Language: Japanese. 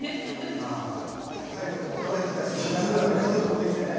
まあね体力も衰えてきたしみんなそれぞれ家族もできてね。